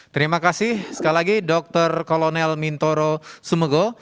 terima kasih sekali lagi dr kolonel mintoro sumego